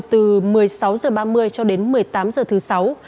từ một mươi sáu h ba mươi cho đến một mươi tám h thứ sáu